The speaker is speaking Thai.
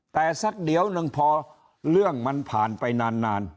แต่สักเดี๋ยวหนึ่งพอเรื่องมันผ่านไปนาน